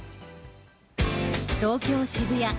東京・渋谷。